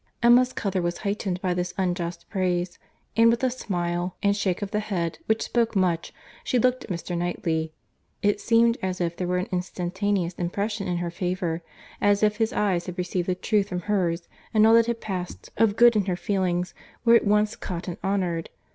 Emma's colour was heightened by this unjust praise; and with a smile, and shake of the head, which spoke much, she looked at Mr. Knightley.—It seemed as if there were an instantaneous impression in her favour, as if his eyes received the truth from hers, and all that had passed of good in her feelings were at once caught and honoured.